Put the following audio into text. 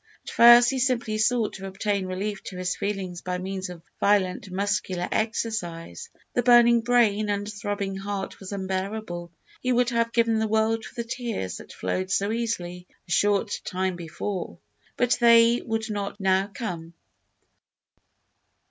At first he simply sought to obtain relief to his feelings by means of violent muscular exercise. The burning brain and throbbing heart were unbearable. He would have given the world for the tears that flowed so easily a short time before; but they would not now come.